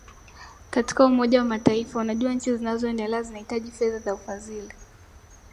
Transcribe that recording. katika Umoja wa Mataifa Unajua nchi zinazoendelea zinahitaji fedha za ufadhili